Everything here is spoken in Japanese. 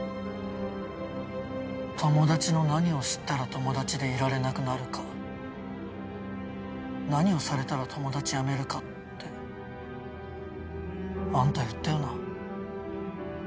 「友達の何を知ったら友達でいられなくなるか何をされたら友達やめるか」ってあんた言ったよな。